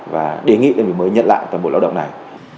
và đề nghị đơn vị mới nhận lại toàn bộ lao động này